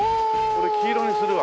俺黄色にするわ。